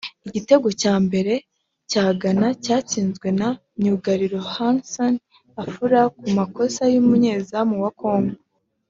Igitego cya mbere cya Ghana cyatsinzwe na myugariro Harrison Afful ku makosa y’umunyezamu wa Congo